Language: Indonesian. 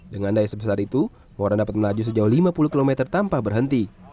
dengan daya sebesar itu muara dapat melaju sejauh lima puluh km tanpa berhenti